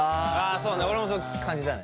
それは俺もそう感じたね。